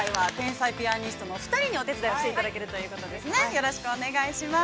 よろしくお願いします。